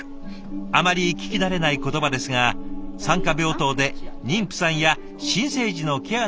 あまり聞き慣れない言葉ですが産科病棟で妊婦さんや新生児のケアなどを行うための授業だそうで。